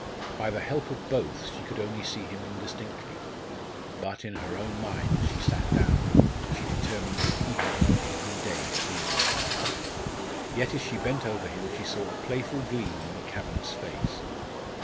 By the help of both she could only see him indistinctly. But in her own mind, as she sat down, she determined that he had not even days to live. Yet as she bent over him she saw a playful gleam on the cavernous face.